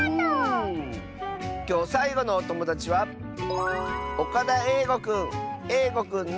きょうさいごのおともだちはえいごくんの。